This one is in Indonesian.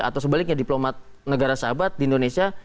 atau sebaliknya diplomat negara sahabat di indonesia